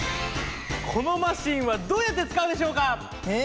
このマシンはどうやってつかうでしょうか⁉え